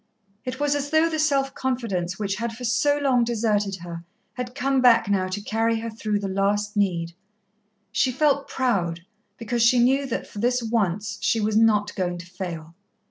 It was as though the self confidence which had for so long deserted her had come back now to carry her through the last need. She felt proud, because she knew that for this once she was not going to fail.